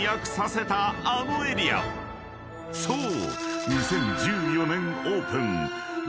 ［そう！］